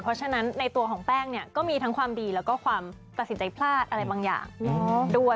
เพราะฉะนั้นในตัวของแป้งเนี่ยก็มีทั้งความดีแล้วก็ความตัดสินใจพลาดอะไรบางอย่างด้วย